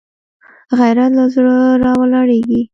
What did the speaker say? غیرت له زړه راولاړېږي